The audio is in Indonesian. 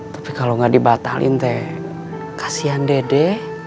tapi kalau nggak dibatalin teh kasihan dede